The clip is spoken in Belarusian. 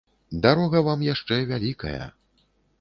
Дарога вам яшчэ вялікая.